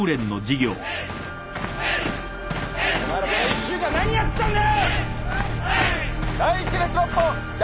お前らこの１週間何やってたんだ！？